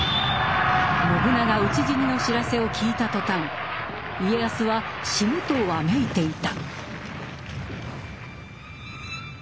信長討ち死にの知らせを聞いた途端家康は「死ぬ」とわめいていた。